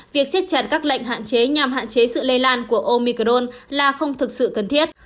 việc xiết chặt các lệnh hạn chế nhằm hạn chế sự lây lan của omicron là không thực sự cần thiết